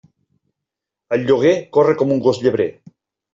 El lloguer corre com un gos llebrer.